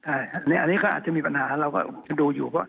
อันนี้ก็อาจจะมีปัญหาเราก็จะดูอยู่ว่า